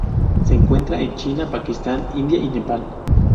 Se encuentra en China, Pakistán, India y Nepal.